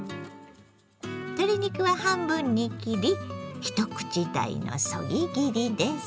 鶏肉は半分に切り一口大のそぎ切りです。